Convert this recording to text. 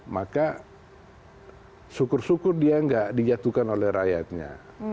maka syukur syukur dia nggak dijatuhkan oleh rakyatnya